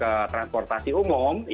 ini memang pada prakteknya memang cukup serius